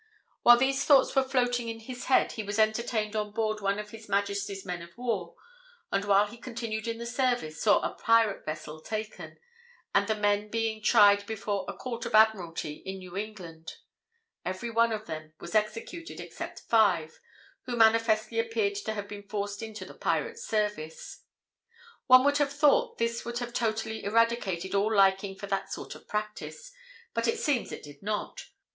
While these thoughts were floating in his head, he was entertained on board one of his Majesty's men of war, and while he continued in the Service, saw a pirate vessel taken; and the men being tried before a Court of Admiralty in New England, every one of them was executed except five, who manifestly appeared to have been forced into the pirates' service. One would have thought this would have totally eradicated all liking for that sort of practice, but it seems it did not.